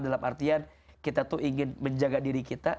dalam artian kita tuh ingin menjaga diri kita